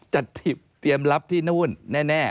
เตรียมรับที่นู่นแน่